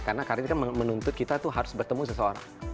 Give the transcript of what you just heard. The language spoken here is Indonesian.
karena karir itu kan menuntut kita harus bertemu seseorang